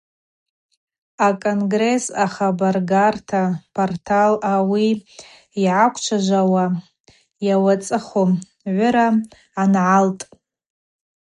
А-Конгресс ахабарргарта портал ауи йгӏаквчважвауа йауацӏыху гӏвыра аднагалтӏ.